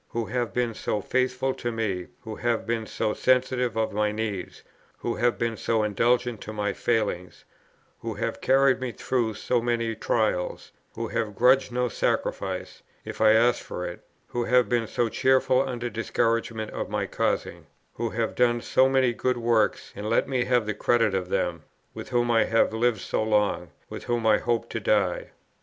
who have been so faithful to me; who have been so sensitive of my needs; who have been so indulgent to my failings; who have carried me through so many trials; who have grudged no sacrifice, if I asked for it; who have been so cheerful under discouragements of my causing; who have done so many good works, and let me have the credit of them; with whom I have lived so long, with whom I hope to die.